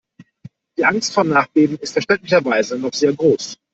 Die Angst vor Nachbeben ist verständlicherweise noch sehr groß.